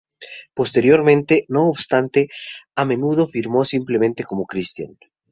Posteriormente, no obstante, a menudo firmó simplemente como Cristián.